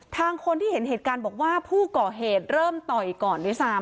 คนที่เห็นเหตุการณ์บอกว่าผู้ก่อเหตุเริ่มต่อยก่อนด้วยซ้ำ